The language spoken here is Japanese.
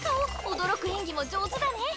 驚く演技も上手だね。